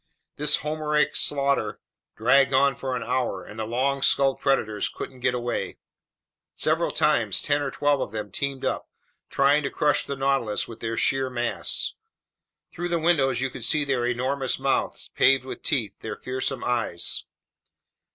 This Homeric slaughter dragged on for an hour, and the long skulled predators couldn't get away. Several times ten or twelve of them teamed up, trying to crush the Nautilus with their sheer mass. Through the windows you could see their enormous mouths paved with teeth, their fearsome eyes.